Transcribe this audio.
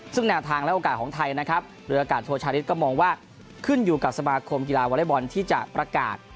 ซึ่งแนวทางและโอกาสของไทยนะครับเรืออากาศโทชาริสก็มองว่าขึ้นอยู่กับสมาคมกีฬาวอเล็กบอลที่จะประกาศ